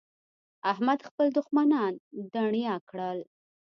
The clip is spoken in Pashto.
احمد خپل دوښمنان دڼيا کړل.